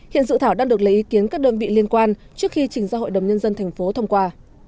hiện dự thảo đang được lấy ý kiến các đơn vị liên quan trước khi trình ra hội đồng nhân dân thành phố thông qua